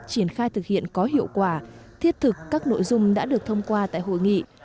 triển khai thực hiện có hiệu quả thiết thực các nội dung đã được thông qua tại hội nghị